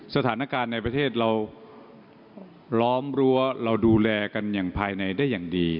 สถานการณ์ในประเทศเราล้อมรั้วเราดูแลกันอย่างภายในได้อย่างดี